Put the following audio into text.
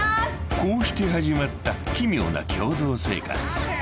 ［こうして始まった奇妙な共同生活］